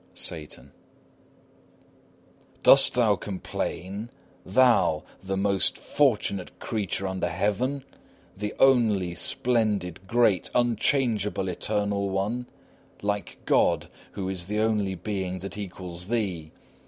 SATAN. Dost thou complain, thou, the most fortunate creature under heaven? The only, splendid, great, unchangeable, eternal one like God, who is the only Being that equals thee!